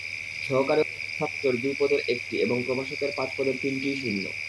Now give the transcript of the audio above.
সহকারী অধ্যাপকের দুই পদের একটি এবং প্রভাষকের পাঁচ পদের তিনটিই শূন্য।